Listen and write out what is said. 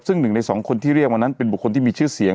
ซึ่งหนึ่งในสองคนที่เรียกวันนั้นเป็นบุคคลที่มีชื่อเสียง